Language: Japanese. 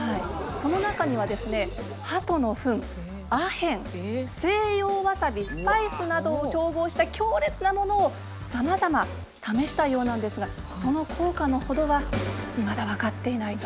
その中にはですねハトのふんアヘン西洋わさびスパイスなどを調合した強烈なものをさまざま試したようなんですがその効果の程はいまだ分かっていないと。